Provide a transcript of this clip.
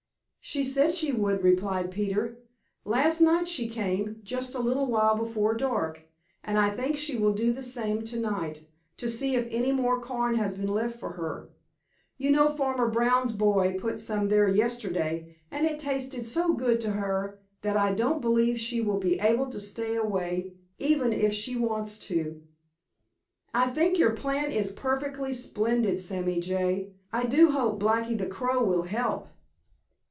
"She said she would," replied Peter. "Last night she came just a little while before dark, and I think she will do the same thing to night, to see if any more corn has been left for her. You know Farmer Brown's boy put some there yesterday, and it tasted so good to her that I don't believe she will be able to stay away, even if she wants to. I think your plan is perfectly splendid, Sammy Jay. I do hope Blacky the Crow will help."